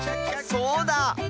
そうだ！